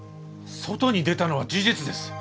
外に出たのは事実です！